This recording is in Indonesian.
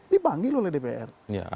dibanggil oleh dpr